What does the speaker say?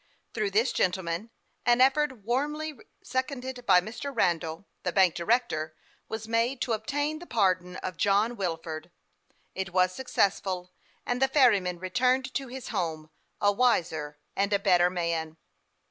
Through this gentleman, an effort, warmly seconded by Mr. Randall, the bank director, was made to obtain the pardon of John Wilford. It was successful, and the ferryman returned to his home a wiser and a better man.